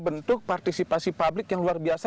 bentuk partisipasi publik yang luar biasa